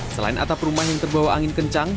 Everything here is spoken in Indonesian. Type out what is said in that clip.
selain atap rumah yang terbawa angin kencang